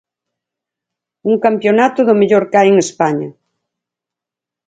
Un campionato do mellor que hai en España.